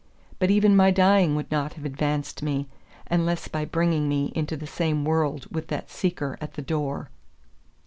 But even my dying would not have advanced me, unless by bringing me into the same world with that seeker at the door.